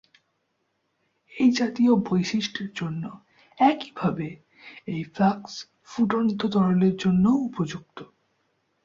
এই জাতীয় বৈশিষ্ট্যের জন্য একইভাবে এই ফ্লাস্ক ফুটন্ত তরলের জন্যও উপযুক্ত।